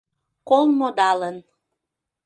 Кол модалын